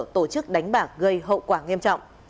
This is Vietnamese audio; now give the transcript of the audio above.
tổ chức đánh bạc gây hậu quả nghiêm trọng